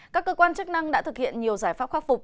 các cơ quan chức năng đã thực hiện nhiều giải pháp khắc phục